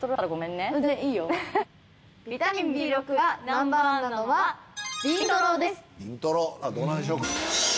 ビタミンＢ６がナンバーワンなのはビントロです。